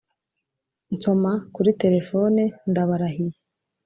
"nsoma kuri terefone. ndabarahiye,